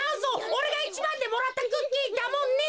おれがいちばんでもらったクッキーだもんね。